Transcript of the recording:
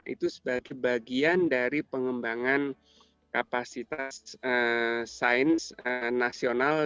itu sebagai bagian dari pengembangan kapasitas sains nasional